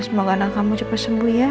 semoga anak kamu cepat sembuh ya